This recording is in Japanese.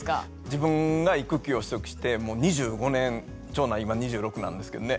自分が育休を取得して２５年長男今２６なんですけどね。